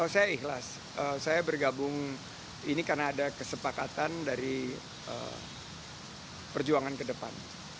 saya ikhlas saya bergabung ini karena ada kesepakatan dari perjuangan ke depan